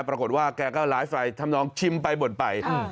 ปรากฏว่าแกก็ไลฟ์ไปทำนองชิมไปบ่นไป